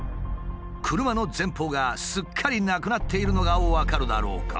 車の前方がすっかりなくなっているのが分かるだろうか。